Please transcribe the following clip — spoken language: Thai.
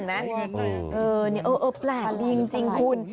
นี่เออแปลกจริงคุณ